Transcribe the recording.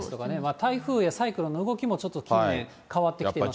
台風やサイクロンの動きもちょっと近年、変わってきていますね。